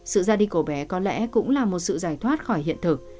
sự ra đi của bé có lẽ cũng là một sự giải thoát khỏi hiện thực